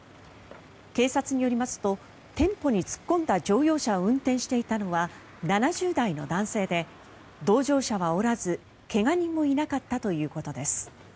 警察によりますと店舗に突っ込んだ乗用車を運転していたのは７０代の男性で同乗者はおらず、怪我人もいなかったということです。